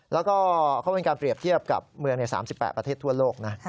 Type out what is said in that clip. แล้วก็เขาเป็นการเปรียบเทียบกับเมืองใน๓๘ประเทศทั่วโลกนะ